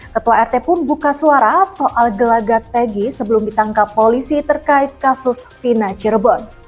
ketua rt pun buka suara soal gelagat pegi sebelum ditangkap polisi terkait kasus vina cirebon